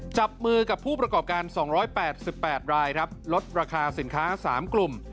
จับมือกับผู้ประกอบการ๒๘๘รายครับลดราคาสินค้า๓กลุ่ม